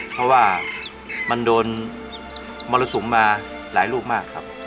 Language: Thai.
เพราะว่ามันโดนมรสุมมาหลายลูกมากครับ